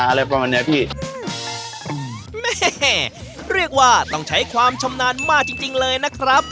อะไรประมาณเนี้ยพี่แม่เรียกว่าต้องใช้ความชำนาญมากจริงจริงเลยนะครับ